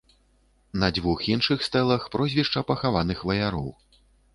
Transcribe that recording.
На дзвюх іншых стэлах прозвішча пахаваных ваяроў.